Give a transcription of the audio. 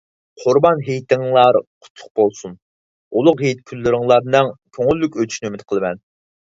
قۇربان ھېيتىڭلار قۇتلۇق بولسۇن! ئۇلۇغ ھېيت كۈنلىرىڭلارنىڭ كۆڭۈللۈك ئۆتۈشىنى ئۈمىد قىلىمەن.